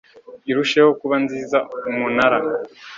irusheho kuba nziza umunara